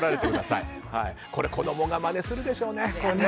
子供がまねするでしょうね。